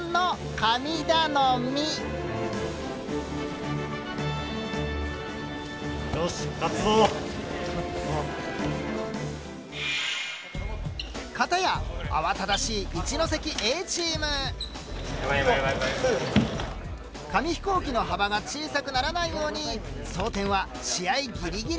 紙飛行機の幅が小さくならないように装填は試合ギリギリまで。